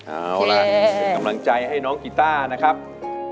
เอาล่ะเป็นกำลังใจให้น้องกีต้านะครับ